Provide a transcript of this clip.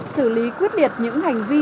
xử lý quyết liệt những hành vi